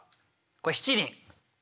これ七輪。